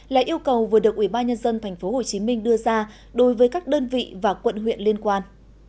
là yêu cầu vừa được ủy ban nhân dân tp hcm đưa ra đối với các đơn vị và quận huyện liên quan